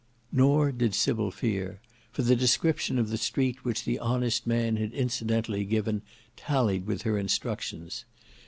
Nor did Sybil fear; for the description of the street which the honest man had incidentally given, tallied with her instructions.